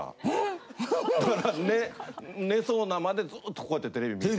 寝そうなまでずっとこうやってテレビ見て。